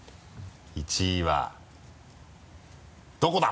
１位はどこだ？